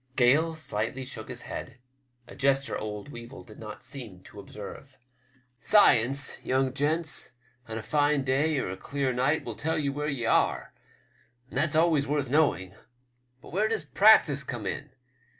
Gale filigbtly shook his head, a gesture old Weevil did not seem to observe. "Science, young gents, on a fine day or a clear night, will tell ye where ye are, and that's always worth knowing. But where does practice come in